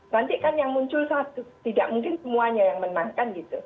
nanti kan yang muncul satu tidak mungkin semuanya yang menangkan gitu